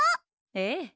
ええ。